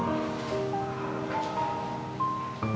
terus waktu nino mau pulang